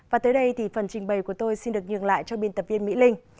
và tới đây thì phần trình bày của tôi xin được nhường lại cho biên tập viên mỹ linh